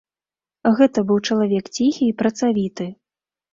Гэта быў чалавек ціхі і працавіты.